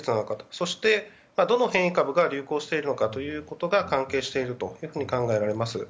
そして、どの変異株が流行しているのかが関係していると考えられます。